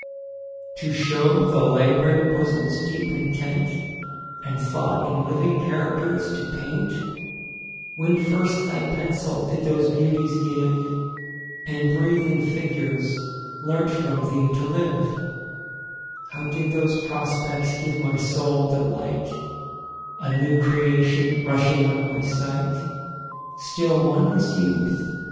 TO show the lab'ring bosom's deep intent, And thought in living characters to paint, When first thy pencil did those beauties give, And breathing figures learnt from thee to live, How did those prospects give my soul delight, A new creation rushing on my sight? Still, wond'rous youth!